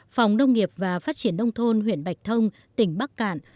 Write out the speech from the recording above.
phòng đông nghiệp và phát triển đông thôn huyện bạch thông tỉnh bắc cạn